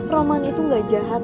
roman itu gak jahat